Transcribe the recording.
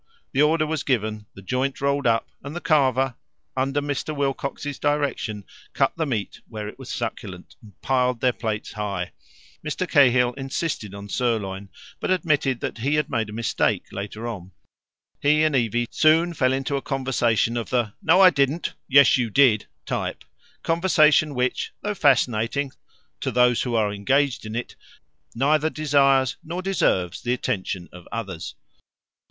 The order was given, the joint rolled up, and the carver, under Mr. Wilcox's direction, cut the meat where it was succulent, and piled their plates high. Mr. Cahill insisted on sirloin, but admitted that he had made a mistake later on. He and Evie soon fell into a conversation of the "No, I didn't; yes, you did" type conversation which, though fascinating to those who are engaged in it, neither desires nor deserves the attention of others.